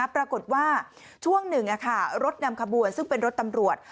ปรากฏว่าช่วงหนึ่งรถนำขบวนซึ่งเป็นรถตำรวจ